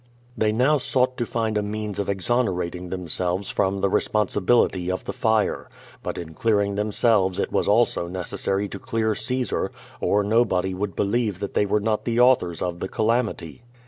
They now sought to find a means of exonerating them selves from the responsibility of the fire. But in clearing themselves it was also necessary to clear Caesar, or nobody would believe that they were not the authors of the calamity.